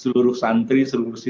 seluruh siswa yang ada di perusahaan